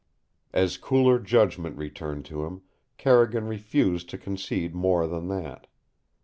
As cooler judgment returned to him, Carrigan refused to concede more than that.